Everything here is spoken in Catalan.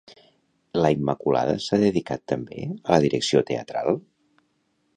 La Immaculada s'ha dedicat també a la direcció teatral?